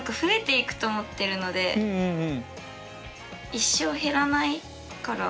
一生減らないから。